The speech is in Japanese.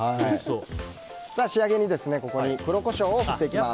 仕上げに黒コショウを振っていきます。